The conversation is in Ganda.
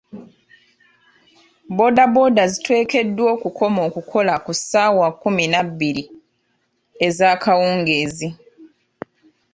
Boodabooda ziteekeddwa okukoma okukola ku ssaawa kkumi na bbiri, ezaakawungeezi.